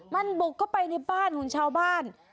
มันบุกเข้าไปในบ้านของชาวบ้าน